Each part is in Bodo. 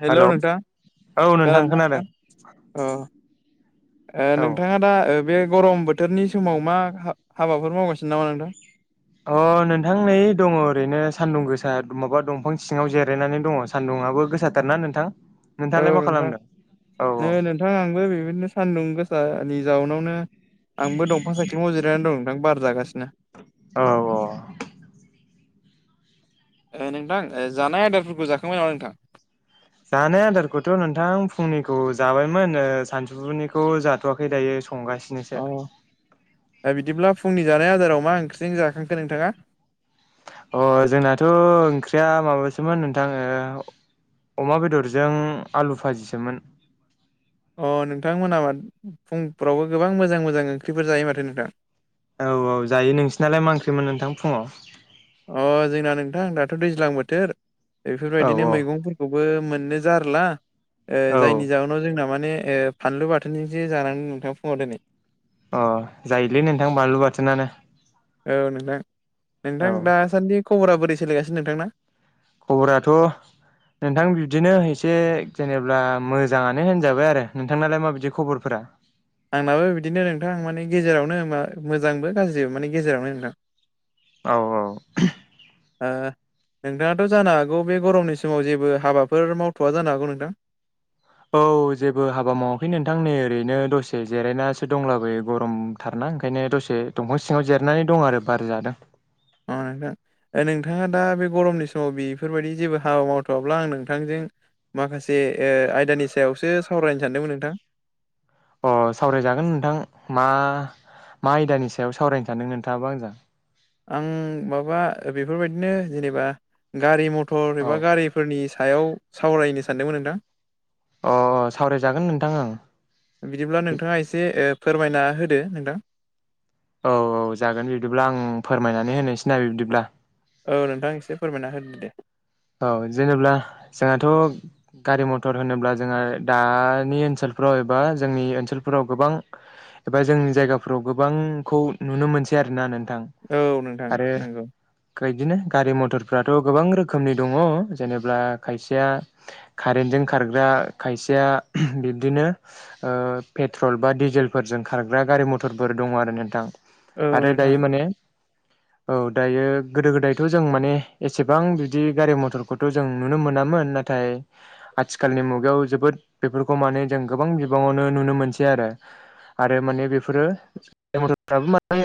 हेलौ नोंथां औ खोनादोंना खोनादों नोंथां? ओ ओ औ नोंथाङा दा ओ बे गरम बोथोरनि समाव मा हा-हाबाफोर मावगासिनो नामा नोंथां? अ नोंथां नै दङ' ओरैनो सान्दुं गोसा माबा दंफां सिङाव जिरायनानै दङ' सान्दुं ङाबो गोसाथारना नोंथां? औ नोंथाङालाय मा नोंथां। खालामदों औ नै नोंथां आंबो बेबायदिनो सानदुं गोसानि जाउनावनो आंबो दंफां सायख्लुमाव जिरायनानै दं नोंथां बार जागासिनो। औ औ ओ नोंथां जानाय आयदारफोरखौ जाखांबाय नामा नोंथां? जानाय आदारखौथ' नोंथां फुंनिखौ जाबायमोन ओ सानसौफुनिखौ जाथ'वाखै दायो संगासिनोसो अ दा बिदिब्ला फुंनि जानाय आदाराव मा ओंख्रिजों जाखांखो नोंथाङा? अ जोंनाथ' ओंख्रिया माबासोमोन नोंथां ओ अमा बेदरजों आलु भाजिसोमोन। अ नोंथांमोनाबा फुंफ्रावबो गोबां मोजां मोजां ओंख्रिफोर जायो माथो नोंथां। औ औ जायो नोंसिनालाय मा ओंख्रिमोन नोंथां फुङाव? अ जोंना नोंथां दाथ' दैज्लां बोथोर औ बेफोरबायदिनो मैगंफोरखौ बो मोननो जारला ओ औ जायनि जावनाव जोंना मा ने ओ फानलु बाथोनजोंसो जानानै नोंथां फुङाव दिनै। अ जायोलै नोंथां बानलु बाथोनानो। औ नोंथां। नोंथां औ दासान्दि खबरा बोरै सोोलायगासिनो नोंथांना? खबराथ' नोंथां बिबदिनो एसे जेनेब्ला मोजाङानो होनजाबाय आरो। नोंथांनालाय माबायदि खबरफोरा? आंनाबो बिदिनो नोंथां माने गेजेरावनो मा-मोजांबो गाज्रिबो माने गेजेरावनो नोंथां। औ औ हो नोंथाङाथ' जानो हागौ बे गरमनि समाव जेबो हाबाफोर मावथ'वा जानो हागौ नोंथां औ जेबो हाबा मावाखै नोंथां नै ओरैनो दसे जिरायनासो दंलाबो गरमथारना दा ओंखायनो दसे दंफां सिङाव जेरनानै दं आरो बार जादों। अ नोंथां ओ नोंथाङा दा बे गरमनि समाव बेफोरबायदि जेबो हाबा मावथ'वाब्ला आं नोंथांजों माखासे ओ आयदानि सायावसो सावरायनो सानदोंमोन नोंथां अ सावरायजागोन नोंथां मा मा आयदानि सायाव सावरायनो सानदों नोंथाङाबा आंजों? आं माबा बेफोरबायदिनो जेनेबा गारि मथर औ एबा गारिफोरनि सायाव सावरायनो सानदोंमोन नोंथां। अ अ सावरायजागोन नोंथां ओं बिदिब्ला नोंथाङा एसे ओ फोरमायना होदो नोंथां औ औ जागोन बिब्दिब्ला आं फोरमायनानै होनोसै ना बिब्दिब्ला। औ नोंथां एसे फोरमायना होदो दे। औ जेनेब्ला जोंहाथ' गारि मथर होनोब्ला जोंहा दानि ओनसोल फ्राव एबा जोंनि ओनसोलफोराव गोबां एबा जोंनि जायगाफ्राव गोबांखौ नुनो मोनसै आरोना नों औ नोंथां नंगौ बायदिनो गारि मथरफ्राथ' गोबां रो खोमनि दङ' जेनेब्ला खायसेया कारेन्टजों खारग्रा खायसेया बि बिबदिनो ओ पेट्रल बा डिजेलफोरजों खारग्रा गारि मथरफोर दङ' आरो नोंथां। औ आरो नोंथां दायो माने औ दायो गोदो गोदायथ' जों माने एसेबां बि बिदि गारि मथरखौथ' जों नुनो मोनामोन नाथाय आथिखालनि मुगायाव जोबोद बेफोरखौ मो जों गोबां बिबाङावनो नुनो मोनसै आरो आरो माने बेफोरो मथफ्राबो माने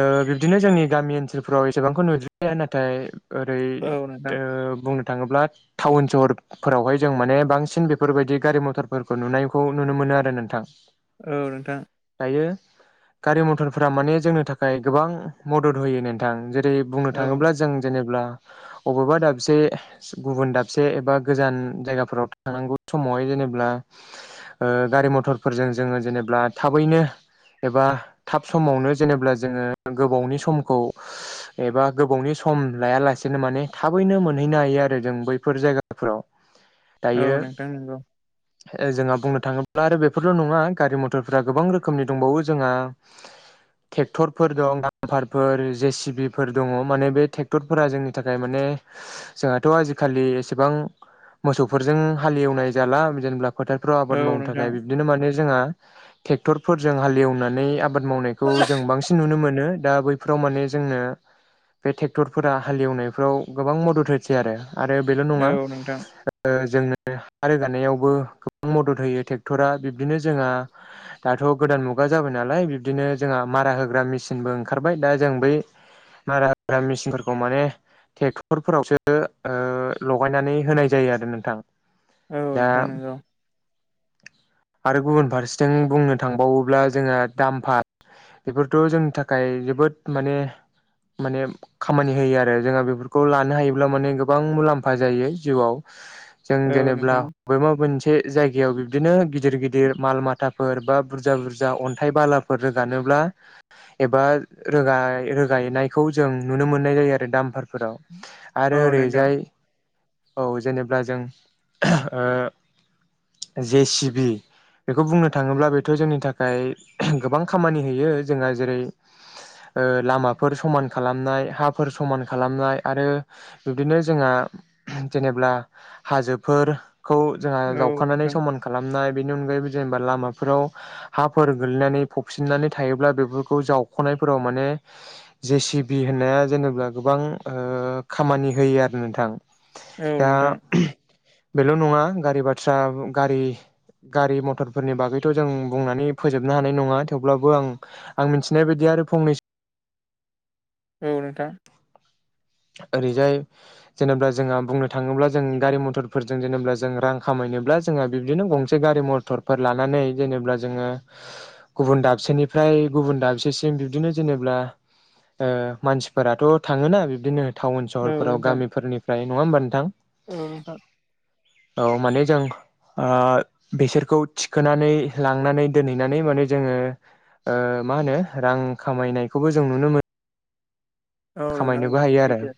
ओ बिब्दिनो जोंनि गामि ओनसोलफ्राव एसेबांखौ नुद्रिया नाथाय ओरै औ नोंथां ओ बुंनो थाङोब्ला टाउन सहरफोरावहाय जों माने बांसिन बेफोरबायदि गारि मथरफोरखौ नुनायखौ नुनो मोनो। [unintelligible] आरो नोंथां औ नोंथां बेयो गारि मथरफोरा माने जोंनि थाखाय गोबां मदद होयो नोंथां जेर जेरै बुंनो औ थाङोब जों जेने ब्ला बबेबा दाबसे गुबुन दाबसे एबा गोजान जायगाफोराव थांनांगौ समाव हाय जेनेब्ला ओ गारि मथरफोरजों जोङो जेनेबा थाबैनो एबा थाब समावनो जेनेबब्ला जोङो गोबावनि समखौ एबा गोबावनि सम लायालासेनो माने थाबैनो मोनहैनो हायो आरो जों बैफोर जायगाफोराव औ दायो नोंथां नंगौ जोंहा बुंनो थाङोब्ला आरो बेफोरल' नङा गारि मथरफोरा गोबां रोखोमनि दंबावो जोंहा ट्रेक्टरफोर दं डामफारफोर जे सिबिफोर दङ माने बे फोरा जोंनि थाखाय माने जोंहाथ' आजिखालि एसेबां मोसौफोरजों हालेवनाय जाला जेनेबा फोथारफ्राव आबाद औ मावनो नोंथां थाखाय बिबदिनो माने जोंहा ट्रेक्टरफोरजों हालएवनानै आबाद मावनायखौ जों बांसिन नुनो मोनो दा बैफोराव माने जोंनो बे फोरा हालेवनायफ्राव गोबां मदद होसै आरो आरो बेल' औ नङा नोंथां जोङो हा रोगानायावबो गोबां मदद होयो ट्रेक्टरा बिब्दिनो जोंहा दाथ' गोदान मुगा जाबाय बिदिनो जोंहा मारा होग्रा मिसिन बो ओंखार दा जों बै मारा होग्रा फोरखौ माने ट्रेक्टर फोरावसो लगायनानै होनाय जायो आरो नोंथां औ दा नोंथां नोंगौ आरो गुबुन फारसेथिं बुंनो थांबावोब्ला जोंहा दामफा बेफोरथ' जोंनि थाखाय जोबोद माने माने खामानि होयो आरो जोंहा बेफोरखौ लानो हायोब्ला माने गोबां मुलाम्फा जायो जिउआव जों औ जेनेबा नोंथां बबे मोनसे मोनसे जायगायाव बिब्दिनो गिदिर गिदिर माल माथाफोर बा बुरजा बुरजा अन्थाइ बालाफोर रोगानो एबा रोगायनायखौ जों नुनो मोननाय जायो आरो दामफारफोराव औ आरो नोंथां ओरैजाय औ जेनेब्ला जों जे सिबि बेखौ बुंनो थाङोब्ला बेथ' जोंनि थाखाय गोबां खामानि होयो जोंहा जेरै ओ लामाफोर समान खालाम‌ नाय हाफोर समान खालामनाय आरो बिब्दिनो जोंहा जेनेब्ला हाजोफोरखौ जोंहा औ जावखानानै नोंथां समान खालामनाय बेनि अनगायैबो जेनेबा लामाफोराव हाफोर गोल्लैनानै फबसिननानै थायोब्ला बेफोरखौ जावखनाय फोराव माने जेसे बि होननाया जेनेबा गोबां खामानि होयो आरो नोंथां औ दा नोंथां बेल' नङा गारि बाथ्रा गारि गारि मथरफोरनि बागैथ' जों बुंनानै फोजोबनो हानाय नङा थेवब्लाबो आं आं मिथिनाय बायदि आरो फंनैसो औ नोंथां। ओरैजाय जेनेबा जोंहा बुंनो थाङोब्ला जों गारि मथरफोरजों जेनेबा जों रां खामायनो बिदिनो गंसे गारि मथरफोर लानानै जेरैब्ला जोंङो गुबुन दाबसेनि फ्राय गुबुन दाबसेसिम बिबदिनो जेनेब्ला ओ मानसिफोराथ' थाङोना बिब बिदिनो टाउन औ सहरफोराव नोंथां गामिफोरनिफ्राय नङा होमबा नोंथां औ नोंथां औ माने जों ओ बेसोरखौ थिखोनानै लांनानै दोनहैनानै माने जोङो ओ मा होनो रां खामायनायखौबो जों नुनो मो औ नोंथां खामायनोबो हायो आरो सैथो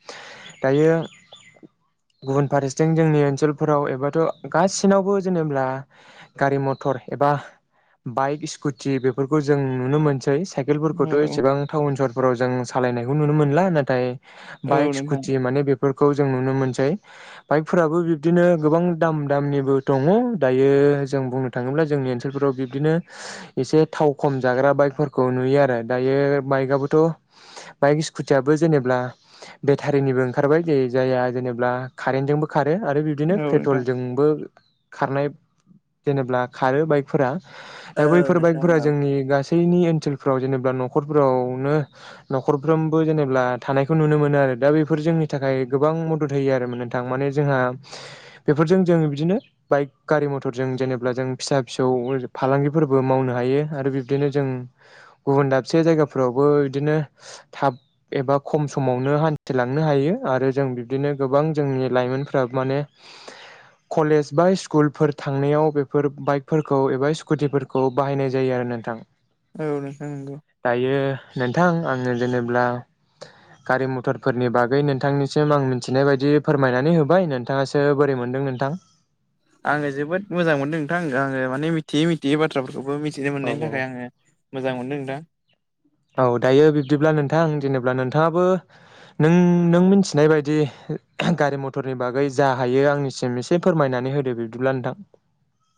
दायो [inaudible] गुबुन फारसेथिं जोंनि ओनसोलफोराव एबाथ' गासिनावबो जेनेब्ला गारि मथर एब बा बाइक स्कुटि बेफोरखौ जों नुनो मोनसै साइकेलफोरखौथ' औ एसेबां टाउन सहरफोराव जों सालायनायखौ नुनो मोनला नाथाय औ बाइक नोंथां स्कुटि माने बेब फोरखौ जों नुनो मोनसै बाइकफोराबो बिब्दिनो गोबां दाम दामनिबो दङ दायो जों बुंनो थाङोब्ला जोंनि ओनसोलफोराव बिबदिनो एसे थाव खम जाग्रा बाइकफोरखौ नुयो आरो दायो बाइकाबोथ' बाइक खुथियाबो जेब बेटारिनिबो ओंखारबाय जाया जेनेबा कारेन्टजोंबो खार [unintelligible] आरो बिब्दिनो औ नोंथां पेट्रलजोंबो खारनाय जेनेब्ला खारो बाइकफोरा दा औ बैफोर नोंथां बाइकफोरा औ जोंनि गास सैनि ओनसोलफ्राव जेनेब्ला नखरफोरावनो नखरफ्रोम बो जेनेब्ला थानायखौ नुनो मोनो आरो दा बेफोर जोंनि थाखाय गोबां मदद होयो आरो मोनो नोंथां माने जोंहा बेफोरजों जोङो बिदिनो बाइक गारि मथरजों जेनेब्ला जों फिसा फिसौ फालांगिफोरबो बो मावनो हायो आरो बिब्दिनो जों गुबुन दाबसे जायगाफोरावबो बिदिनो थाब एबा खम समावनो हान्थिलांनो हायो आरो जों बिब्दिनो गोबां जोंनि लाइमोनफ्रा माने [inaudible] कलेज बा स्कुलफोर थांनायाव बेफोर बाइकफोरखौ एबा स्कुटिफोरखौ बाहायनाय जायो आ नोंथां औ नोंथां नंगौ दायो नोंथां आङो जेनेब्ला [inaudible] गारि मथरफोरनि बागै नोंथांनिसिम आं मिथिनाय बायदि फोरमायनानै होबाय नोंथाङासो बोरै मोनदों नोंथां आङो जोबोद मोजां मोनदों नोंथां आङो माने मिथियै मिथियै बाथ्राफोर खौबो मिथिनो औ मोननायनि थाखाय आङो मोजां मोनदों नोंथां औ दायो बिब्दिब्ला नोंथां जेनेब्ला नोंथाङाबो नों नों मोनथिनाय बायदि गारि मथरनि बागै जा हायो आंनिसिम एसे फोरमायना नै होदो बिब्दिब्ला नोंथां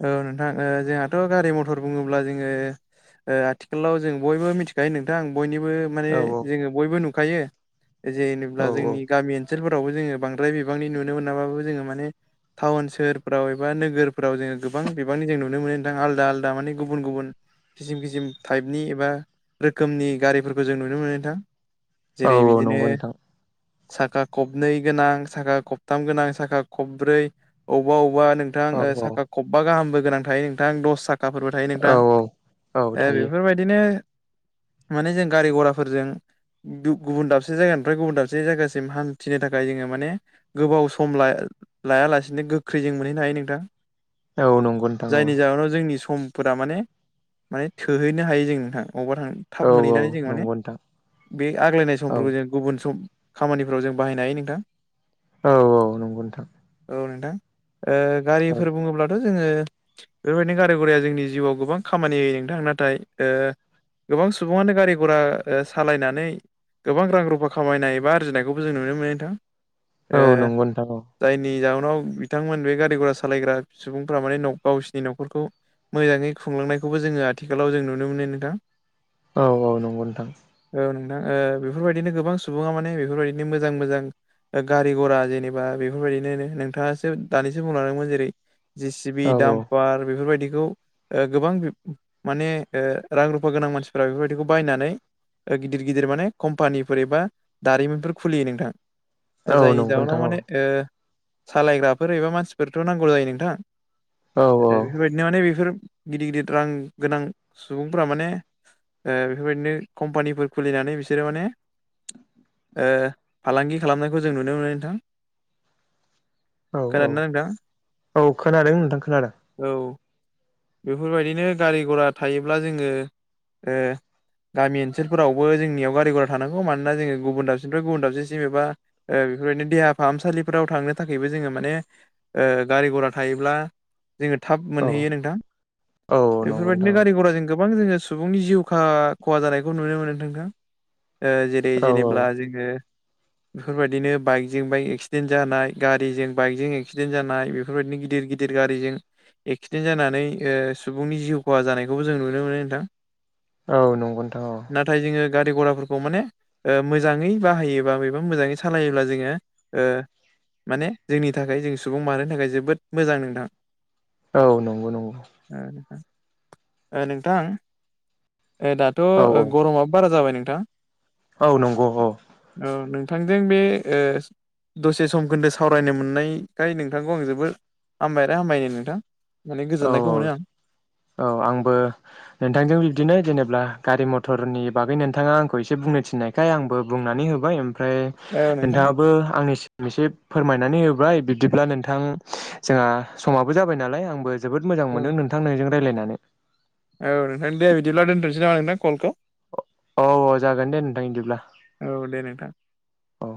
औ नोंथां ओ जोंहाथ गारि मथर बुङोब्ला जोङो ओ आथिखालाव जों बयबो मिथिखायो नोंथां बयनिबो माने औ जोङो बयबो नुखायो [unintelligible] औ औ टाउन सोहोरफ्राव एबा नोगोरफ्राव जोङो गोबां बिबांनि जों नुनो मोनो नोंथां आलदा आलदा माने गुबुन गुबुन खिसिम खिसिम टाइपनि एबा रोखोमनि गारिफोरखौ जों नुनो मोनो नोंथां औ जेरै औ बिदिनो नंगौ नोंथां साखा खबनै गोनां साखा खबथाम गोनां साखा खबब्रै अबाव बा औ नोंथां औ साखा खबबा गाहामबो गोनां थायो नोंथां दस साख खाफोरबो थायो औ नोंथां औ औ ओ थायो बेफोरबायदिनो माने जों गारि गराफोरजों दुब गुबुन दाबसे जायगानिफ्राय गुबुन दाबसे जायगासिम हान्थिनो थाखाय जोङो माने गोबाव सम ला लायालासेनो गोख्रै जों मोनहैनो हायो नोंथां औ नंगौ नोंथां औ जायनि जाहोनाव जोंनि सम फोरा माने माने थोहैनो हायो जों नोंथां अबावबा थांनो थाब औ औ मोनहैनानै जों माने नंगौ नोंथां बे आग्लायनाय औ समफोरखौ जों गुबुन सम खामानिफोराव जों बाहायनो हायो नोंथां औ श-औ नंगौ नोंथां। औ नोंथां ओ औ गारिफोर बुङोब्लाथ' जोङो बेफोरबायदिनो गारि गराया जोंनि जिउआव गोबां खामानि होयो नोंथां नाथाय ओ गोबां सुबुङानो गारि घरा सालायनानै गोबां रां रुफा खामायनाय एबा आरजिनायखौबो जों नुनो मोनो नोंथां ओ औ नंगौ नोंथां औ जायनि जाउनाव बिथांमोन बे गारि घरा सा सालायग्रा सुबुंफ्रा माने गावसिनि नखरखौ मोजाङै खुंलांनायखौबो जोङो आथिखालाव जों नुनो मोनो नोंथां। औ-औ नंगौ नोंथां औ नोंथां बेफोरबायदिनो गोबां सुबुङा माने बेफोरबायदिनो मोजां मोजां गारि घरा जेनेबा बेफोरबायदिनो नो नोंथाङासो दानिसो बुंलांदोंमोन जेरै जि चि बि औ दामपार बेफोरबायदि खौ ओ गोबां बिब माने ओ रां रुफा गोनां मानसिफ्रा बेफोरबायदिखौ बायनानै ओ गिदिर गिदिर माने कम्पानिफोर एबा दारिमिनफोर खुलियो नोंथां। औ जायनि नंगौ जाउनाव नोंथां औ माने ओ सालायग्राफोर एबा मानसिफोरथ नांगौ जायो नोंथां औ ओ बेफोरबायदिनो माने बेफोर गिदिर गिदिर रां गोनां सुबुंफ्रा माने ओ बेफोरबायदिनो कम्पानिफोर खुलिनानै बिसोरो माने ओ फालांगि खालामनायखौ जों नुनो मोनो नोंथां। औ औ खोनादोंना नोंथां? औ खोनादों नोंथां खोनादों। औ बेफोरबायदिनो गारि घरा थायोब्ला जोङो गामि ओनसोलफोरावबो जोंनियाव गारि घरा थानांगौ मानोना जोङो गुबुन दाबसेनिफ्राय गुबुन दाबसेसिम एबा बेफोरबायदिनो देहा फाहामसालिफोराव थांनो थाखायबो जोङो माने गारि घरा थायोब्ला जोङो थाब औ मोनहैयो नोंथां औ नंगौ बेफोरबायदिनो नोंथां गारि घरा जों गो गोबां जोङो सुबुंनि जिउ खा खहा जानायखौ नुनो मोनो न नोंथां जेरै औ जेनेब्ला जोङो बेफोरबायदिनो बाइकजों बाइक एक्सिडेन्ट जानाय गारिजों बाइकजों ए एक्सिडेन्ट जानाय बेफोरबायदिनो गिदिर गिदिर गारिजों एक्सिडेन्ट जानानै सुबुंनि जिउ खहा जानाय। बेखौबो जों नुनो मोनो नोंथां औ नंगौ नोंथां' औ नाथाय जोङो गारि घराफोरखौ माने मोजाङै बाहायोबा बेबा मोजाङै सालायोब्ला जोङो माने जोंनि थाखाय जों सुबुं मानोानो थाखाय जोबोद मोजां नोंथां। औ नंगौ नंगौ नोंथां दाथ' औ गरमआो बारा जाबाय नोंथां औ नंगौ। नोंथांजों बे ओ दसे सम खोन्दो सावरायनो मोननाय खाय नोंथांखौ आं जोबोद हामबाय आरो हामबायनो नोंथां। माने गोजोननायखौ मोनो आं औ-औ-औ आंबो नोंथांजों बिब्दिनो जेनेबा गारि मथर टरनि बागै नोंथाङा आंखौ एसे बुंनो थिन्नायखाय आंबो बुंनानै होबाय। ओमफ्राय औ नोंथां नोंथाङाबो आंनि मोनसे फोरमायनानै होबाय बिब्दिब्ला नोंथां जोंहा समाबो जाबाय नालाय आंबो जोबोद मोां औ मोनदों नोंथां नजों राय्लायनानै औ नोंथां दे बिदिब्ला दोन्थ'सै नामा नोंना कलखौ औ औ जागोन दे नोंथां बिदिब्ला औ दे नोंथां औ।